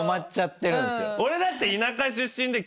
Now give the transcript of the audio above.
俺だって田舎出身で。